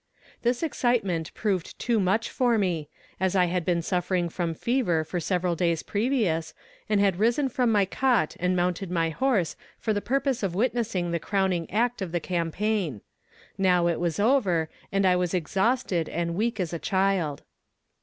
This excitement proved too much for me, as I had been suffering from fever for several days previous, and had risen from my cot and mounted my horse for the purpose of witnessing the crowning act of the campaign. Now it was over, and I was exhausted and weak as a child.